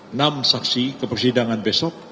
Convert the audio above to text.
enam saksi ke persidangan besok